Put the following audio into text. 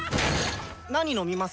何飲みます？